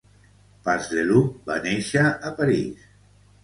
Pasdeloup va néixer a París.